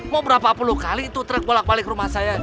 mau berapa puluh kali itu truk bolak balik rumah saya